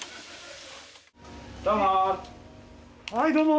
どうも。